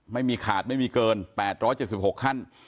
ไม่มีขาดไม่มีเกิน๘๗๖ขั้น